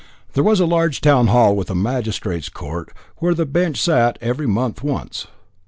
There was a large town hall with a magistrates' court, where the bench sat every month once.